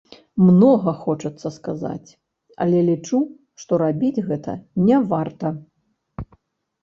Многа хочацца сказаць, але лічу, што рабіць гэта не варта.